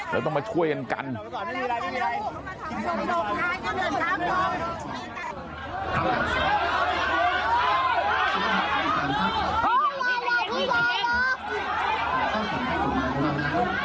เราต้องไปช่วยกันกัน